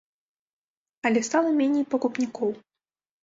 Але стала меней пакупнікоў.